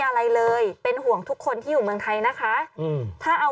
อะไรเลยเป็นห่วงทุกคนที่อยู่เมืองไทยนะคะอืมถ้าเอา